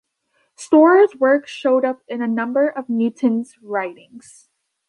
Storer's work shows up in a number of Newton's writings.